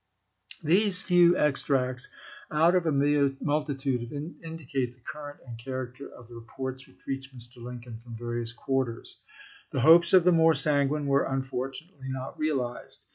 These few extracts out of a multitude indicate the current and character of the reports which reached Mr. Lincoln from various quarters. The hopes of the more sanguine were, unfortunately, not realized.